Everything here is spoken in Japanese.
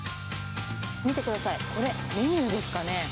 見てください、これ、メニューですかね。